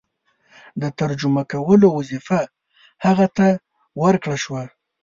د ترجمه کولو وظیفه هغه ته ورکړه شوه.